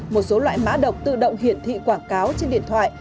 một số loại mã độc tự động hiển thị quảng cáo trên điện thoại